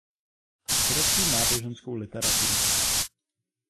Psal především náboženskou literaturu.